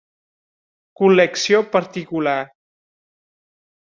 Col·lecció particular.